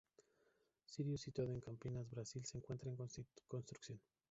Sirius, situado en Campinas, Brasil, se encuentra en construcción.